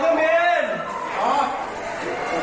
ครูกัดสบัติคร้าว